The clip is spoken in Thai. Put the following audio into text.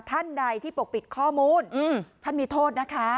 ท่านใดที่ปกปิดข้อมูลท่านมีโทษนะคะ